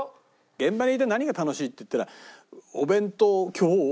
現場にいて何が楽しいっていったら。